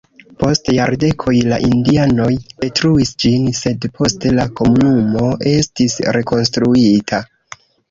Post jardekoj la indianoj detruis ĝin, sed poste la komunumo estis rekonstruita.